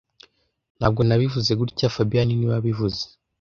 Ntabwo nabivuze gutya fabien niwe wabivuze